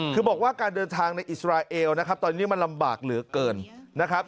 คือบอกว่าการเดินทางในอิสราเอลนะครับตอนนี้มันลำบากเหลือเกินนะครับ